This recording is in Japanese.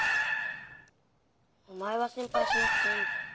お前は心配しなくていいんだ。